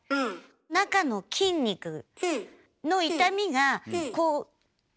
中の筋肉の痛みがこう。